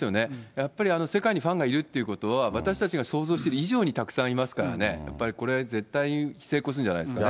やっぱり世界にファンがいるっていうことは、私たちが想像している以上にたくさんいますからね、やっぱりこれ、絶対に成功するんじゃないですかね。